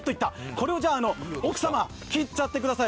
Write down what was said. これを奥様、切っちゃってください